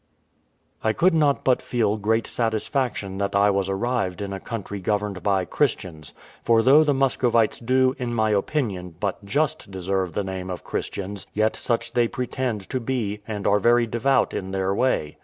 I could not but feel great satisfaction that I was arrived in a country governed by Christians; for though the Muscovites do, in my opinion, but just deserve the name of Christians, yet such they pretend to be, and are very devout in their way.